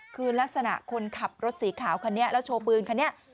คือลักษณะคนขับรถสีขาวคันนี้แล้วโชว์ปืนคันนี้